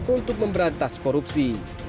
untuk memberantas korupsi